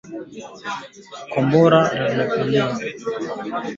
Kuwafunza wananchi kuhusu ugonjwa huo